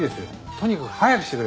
とにかく早くしてくれ。